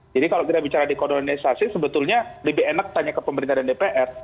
jadi kalau kita bicara dekolonialisasi sebetulnya lebih enak tanya ke pemerintah dan dpr